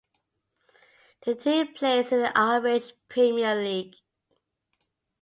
The team plays in the Irish Premier League.